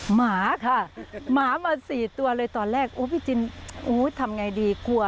หมาค่ะหมามาสี่ตัวเลยตอนแรกโอ้พี่จินโอ้ยทำไงดีกลัว